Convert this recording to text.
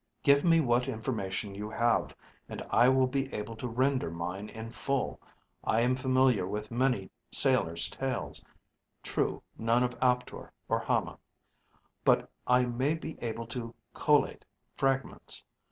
Give me what information you have, and I will be able to render mine in full. I am familiar with many sailors' tales. True, none of Aptor, or Hama, but I may be able to collate fragments.